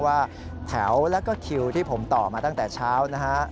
ว่าแถวแล้วก็คิวที่ผมต่อมาตั้งแต่เช้านะฮะ